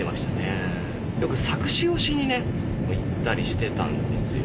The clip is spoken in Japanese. よく作詞をしにね行ったりしてたんですよね。